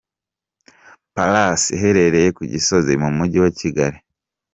Palace iherereye ku Gisozi mu mujyi wa Kigali.